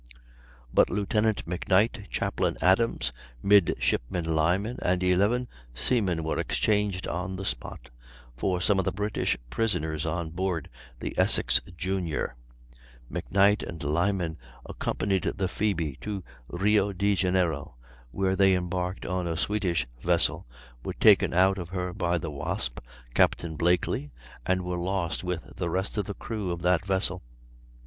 But Lieutenant McKnight, Chaplain Adams, Midshipman Lyman, and 11 seamen were exchanged on the spot for some of the British prisoners on board the Essex Junior. McKnight and Lyman accompanied the Phoebe to Rio Janeiro, where they embarked on a Swedish vessel, were taken out of her by the Wasp, Captain Blakely, and were lost with the rest of the crew of that vessel.